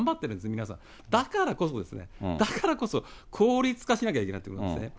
皆さん、だからこそ、だからこそ効率化しなきゃいけないということなんですよね。